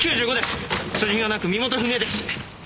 所持品はなく身元不明です。